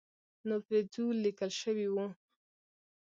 نو پرې ځو لیکل شوي وو.